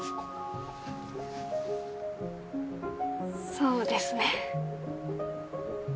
そうですね。